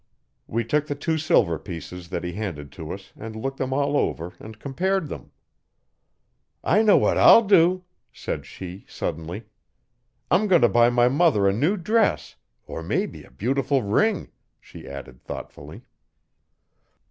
We took the two silver pieces that he handed to us and looked them all over and compared them. 'I know what I'll do,' said she, suddenly. 'I'm goin' t' buy my mother a new dress, or mebbe a beautiful ring,' she added thoughtfully.